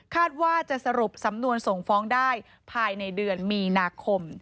ว่าจะสรุปสำนวนส่งฟ้องได้ภายในเดือนมีนาคม